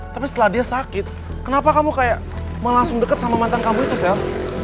tapi setelah dia sakit kenapa kamu kayak mau langsung dekat sama mantan kamu itu sel